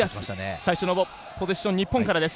最初のポゼッション日本からです。